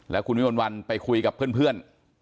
แล้วคุณวิมนต์วันไปคุยกับเพื่อน